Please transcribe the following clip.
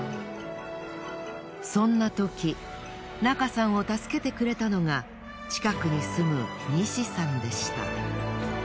そんなとき中さんを助けてくれたのが近くに住む西さんでした。